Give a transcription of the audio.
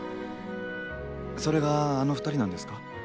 それがあの２人なんですか？